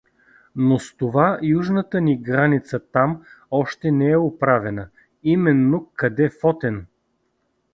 Но с това южната ни граница там още не е оправена, именно къде Фотен.